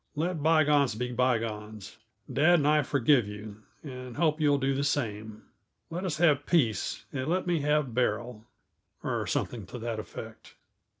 Let bygones be bygones. Dad and I forgive you, and hope you will do the same. Let us have peace, and let me have Beryl " or something to that effect.